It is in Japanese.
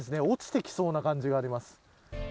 落ちてきそうな感じがあります。